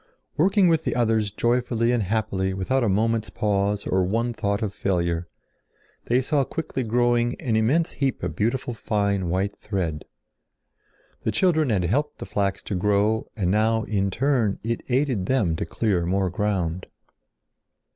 Working with the others joyfully and happily without a moment's pause or one thought of failure, they saw quickly growing an immense heap of beautiful fine white thread. The children had helped the flax to grow and now in turn it aided them to clear more ground.